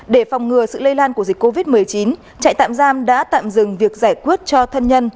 để phòng ngừa sự lây lan của dịch covid một mươi chín trại tạm giam đã tạm dừng việc giải quyết cho thân nhân